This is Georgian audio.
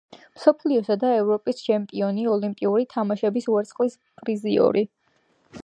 მსოფლიოსა და ევროპის ჩემპიონი, ოლიმპიური თამაშების ვერცხლის პრიზიორი.